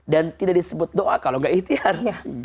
dan tidak disebut doa kalau gak ihtiar